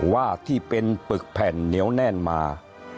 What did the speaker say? ว่าที่เป็นปึกแผ่นเหนียวแน่นมา